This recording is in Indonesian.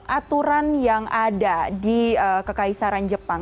aturan yang ada di kekaisaran jepang